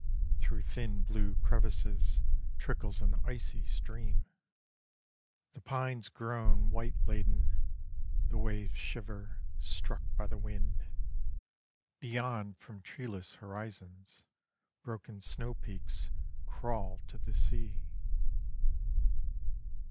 Through thin blue crevasses, Trickles an icy stream. The pines groan white laden, The waves shiver, struck by the wind; Beyond from treeless horizons, Broken snow peaks crawl to the sea.